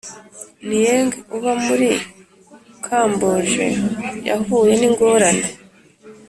Nieng uba muri Kamboje yahuye n ingorane